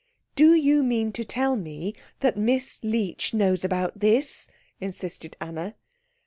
"Do you mean to tell me that Miss Leech knows about this?" insisted Anna.